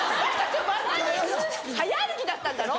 速歩きだったんだろ？